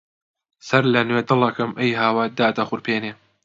سەرلەنوێ دڵەکەم ئەی هاوار دادەخورپێنێ